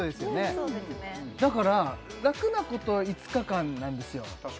そうですねだから楽なことを５日間なんですよ